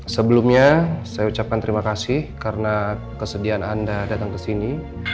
sebelumnya saya ucapkan terima kasih karena kesedihan anda datang kesini